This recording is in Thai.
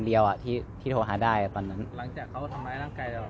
เวลาที่สุดตอนที่สุด